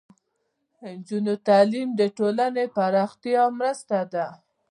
د نجونو تعلیم د ټولنې پراختیا مرسته ده.